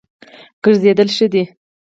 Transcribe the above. ګرځېدل ښه دی.